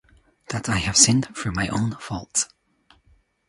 that I have sinned through my own fault